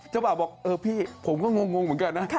บ่าวบอกเออพี่ผมก็งงเหมือนกันนะ